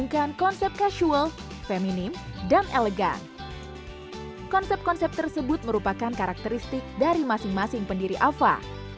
konsep konsep tersebut merupakan karakteristik dari masing masing pendiri alfa